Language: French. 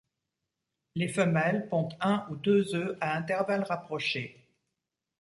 Les femelles pondent un ou deux œufs à intervalles rapprochés.